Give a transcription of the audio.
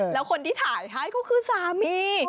แล้วคนที่ถ่ายให้ก็คือสามี